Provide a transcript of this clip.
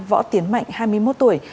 võ tiến mạnh hai mươi một tuổi